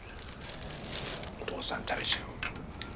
お父さん食べちゃおう。